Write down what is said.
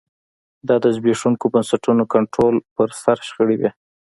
دا د زبېښونکو بنسټونو کنټرول پر سر شخړې وې